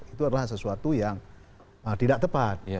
itu adalah sesuatu yang tidak tepat